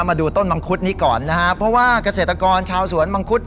มาดูต้นมังคุดนี้ก่อนนะฮะเพราะว่าเกษตรกรชาวสวนมังคุด